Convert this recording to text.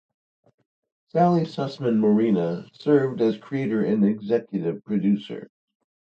Sally Sussman Morina served as creator and executive producer.